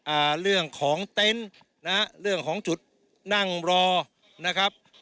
อ่าเรื่องของเต็นต์นะฮะเรื่องของจุดนั่งรอนะครับ